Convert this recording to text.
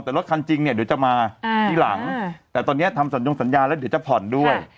แต่รถคันจริงเนี่ยเดี๋ยวจะมาทีหลังแต่ตอนนี้ทำสัญญงสัญญาแล้วเดี๋ยวจะผ่อนด้วย